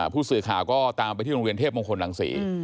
ผู้สื่อข่าวก็ตามไปที่โรงเรียนเทพมงคลรังศรี